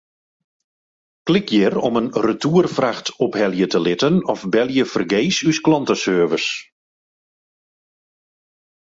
Klik hjir om in retoerfracht ophelje te litten of belje fergees ús klanteservice.